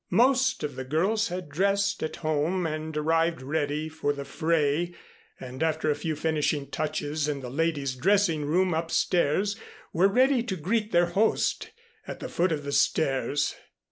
Most of the girls had dressed at home and arrived ready for the fray, and after a few finishing touches in the ladies' dressing room upstairs were ready to greet their host, at the foot of the stairs.